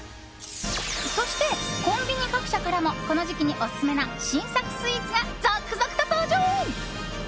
そしてコンビニ各社からもこの時期にオススメな新作スイーツが続々と登場！